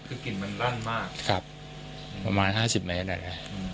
คือกลิ่นมันรั่นมากครับประมาณห้าสิบเมตรอ่ะเนี่ยอืม